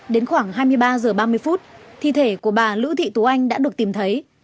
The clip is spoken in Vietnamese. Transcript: đến khoảng hai mươi ba h ba mươi thi thể của bà lữ thị tú anh đã được tìm thấy